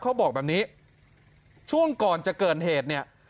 เขาบอกแบบนี้ช่วงก่อนจะเกิดเหตุเนี่ย